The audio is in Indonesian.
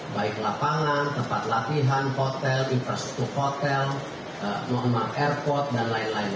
baik lapangan tempat latihan hotel infrastruktur hotel noemar airport dan lain lain